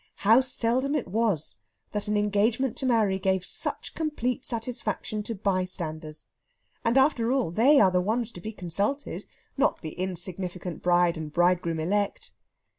How seldom it was that an engagement to marry gave such complete satisfaction to bystanders! And, after all, they are the ones to be consulted; not the insignificant bride and bridegroom elect.